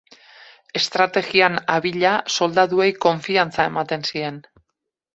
Estrategian abila, soldaduei konfiantza ematen zien.